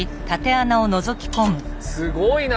すごいな！